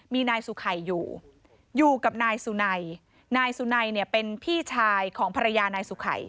มีนายสุขัยอยู่อยู่กับนายสุนัยนายสุนัยเนี่ยเป็นพี่ชายของภรรยานายสุขัย